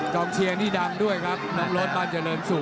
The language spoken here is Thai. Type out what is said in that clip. กองเชียร์นี่ดังด้วยครับน้องโรสมันจะเริ่มสู่